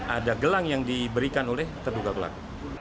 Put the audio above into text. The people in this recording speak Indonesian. ada gelang yang diberikan oleh terduga pelaku